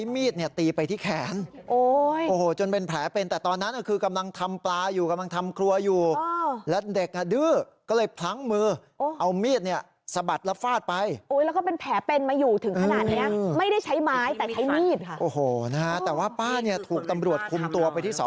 ไม่เคยใช้ไม้ตีนะฮะ